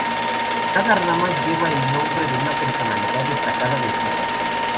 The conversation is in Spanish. Cada rama lleva el nombre de una personalidad destacada de Suiza.